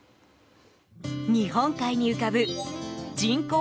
日本海に浮かぶ人口